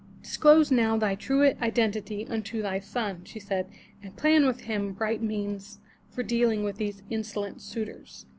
"Disclose now thy true identity unto thy son," she said, "and plan with him right means for dealing with these insolent suitors."